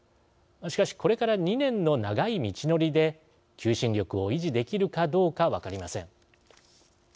しかし、これから２年の長い道のりで求心力を維持できるかどうか分かりません。